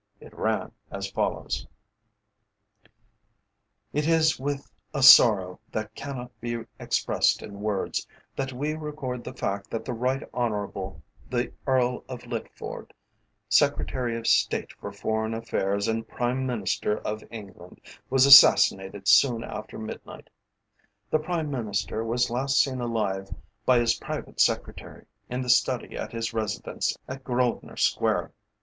It ran as follows: "It is with a sorrow that cannot be expressed in words, that we record the fact that the Right Honourable, the Earl of Litford, Secretary of State for Foreign Affairs, and Prime Minister of England, was assassinated soon after midnight. The Prime Minister was last seen alive by his private secretary, in the study at his residence at Grosvenor Square.